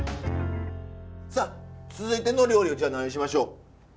さあ続いての料理はじゃあ何にしましょう。